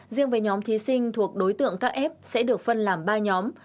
riêng với nhóm thí sinh thuộc đối tượng các f sẽ được phân làm ba nhóm